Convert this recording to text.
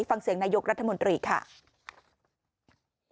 ฟังเสียงนายกรัฐมนตรีค่ะ